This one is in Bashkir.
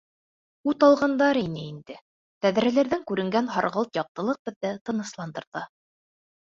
Ут алғандар ине инде, тәҙрәләрҙән күренгән һарғылт яҡтылыҡ беҙҙе тынысландырҙы.